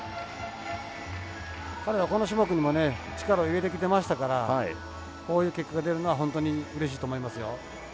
彼は、この種目にも力を入れてきてましたからこういう結果が出るのは本当にうれしいと思いますよ。